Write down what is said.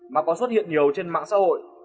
mà có xuất hiện nhiều trên mạng xã hội